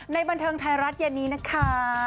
บันเทิงไทยรัฐเย็นนี้นะคะ